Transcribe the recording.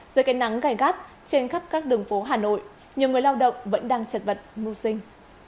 giữa cái nắng gài gắt trên khắp các đường phố hà nội nhiều người lao động vẫn đang chật vật ngu sinh